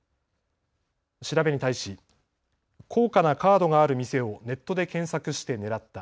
調べに対し高価なカードがある店をネットで検索して狙った。